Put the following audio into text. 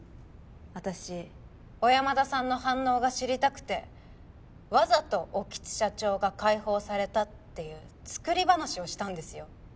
私小山田さんの反応が知りたくてわざと「興津社長が解放された」っていう作り話をしたんですよ